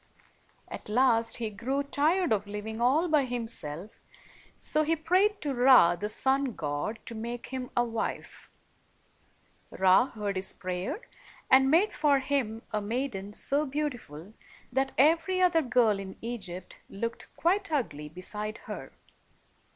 At last, he grew tired of living all by himself, so he prayed to Ra, the sun god, to make him a wife. Ra heard his prayer, and made for him a maiden so beautiful that every other girl in Egypt looked quite ugly beside her.